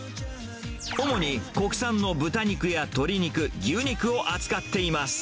主に国産の豚肉や鶏肉、牛肉を扱っています。